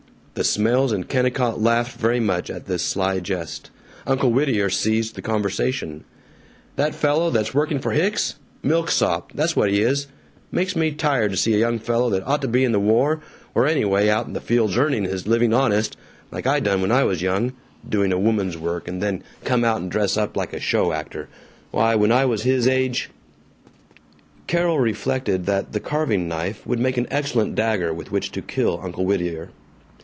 The Smails and Kennicott laughed very much at this sly jest. Uncle Whittier seized the conversation. "That fellow that's working for Hicks? Milksop, that's what he is. Makes me tired to see a young fellow that ought to be in the war, or anyway out in the fields earning his living honest, like I done when I was young, doing a woman's work and then come out and dress up like a show actor! Why, when I was his age " Carol reflected that the carving knife would make an excellent dagger with which to kill Uncle Whittier.